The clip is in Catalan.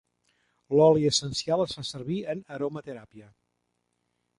L'oli essencial es fa servir en aromateràpia.